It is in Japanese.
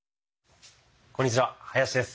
こんにちは林です。